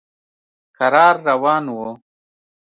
کرار روان و.